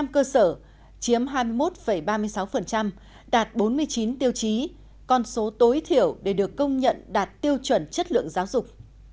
một trăm linh cơ sở chiếm hai mươi một ba mươi sáu đạt bốn mươi chín tiêu chí con số tối thiểu để được công nhận đạt tiêu chuẩn chất lượng giáo dục